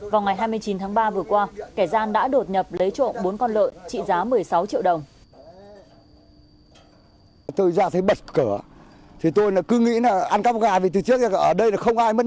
vào ngày hai mươi chín tháng ba vừa qua kẻ gian đã đột nhập lấy trộm bốn con lợn trị giá một mươi sáu triệu đồng